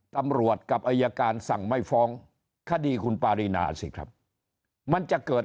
กับอายการสั่งไม่ฟ้องคดีคุณปารีนาสิครับมันจะเกิด